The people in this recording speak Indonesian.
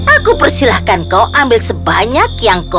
aku persilahkan kau ambil sebanyak yang kau